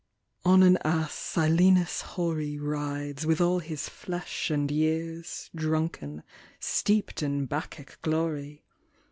On an ass Silenus hoary Rides, with all his flesh and years, Drunken, steeped in Bacchic glory.